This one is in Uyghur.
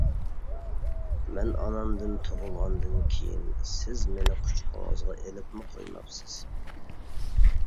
مەن ئانامدىن تۇغۇلغاندىن كېيىن سىز مېنى قۇچىقىڭىزغا ئېلىپمۇ قويماپسىز.